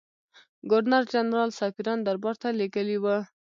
ګورنرجنرال سفیران دربارته لېږلي وه.